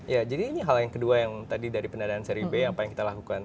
ya jadi ini hal yang kedua yang tadi dari pendanaan seri b apa yang kita lakukan